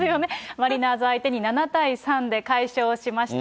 マリナーズ相手に７対３で快勝しました。